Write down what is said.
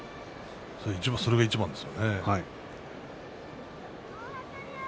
それが、いちばんです。